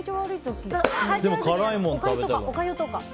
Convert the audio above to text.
おかゆとか。